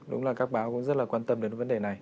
đúng là các báo cũng rất là quan tâm đến vấn đề này